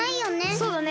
そうだね。